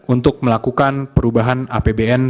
untuk melakukan perubahan apbn